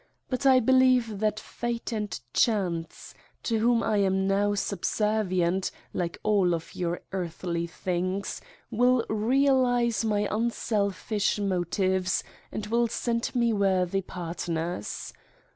But I believe that Fate and Chance, to whom I am now subservient, like all your earthly things, will realize my unselfish motives and will send me worthy partners.